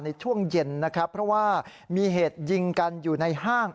ในช่วงเย็นนะครับเพราะว่ามีเหตุยิงกันอยู่ในห้าง